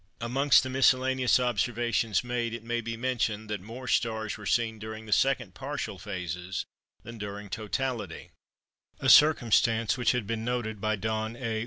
Amongst the miscellaneous observations made, it may be mentioned that more stars were seen during the second partial phases than during totality (a circumstance which had been noticed by Don A.